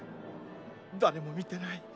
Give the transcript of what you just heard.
だれも見てない？